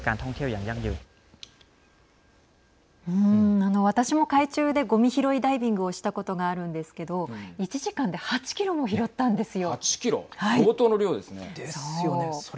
あの、私も海中でごみ拾いダイビングをしたことがあるんですけど１時間で８キロも拾ったんですよ。